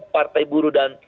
partai buruh dan